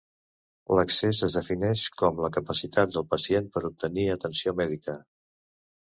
L'accés es defineix com la capacitat del pacient per obtenir atenció mèdica.